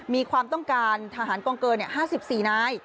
มีความต้องการทหารกองเกิน๕๔นาย